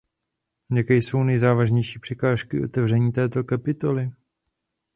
Jaké jsou nejzávažnější překážky otevření této kapitoly?